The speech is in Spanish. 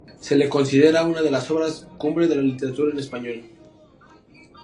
Se la considera una de las obras cumbre de la literatura en español.